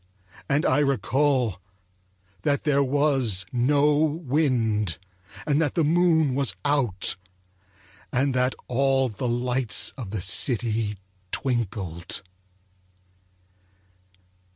And I recall that there was no wind, and that the moon was out, and that all the lights of the city twinkled.